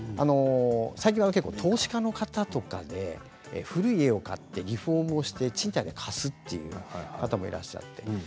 最近は投資家の方で古い家を買ってリフォームをして賃貸で貸すという方もいらっしゃいます。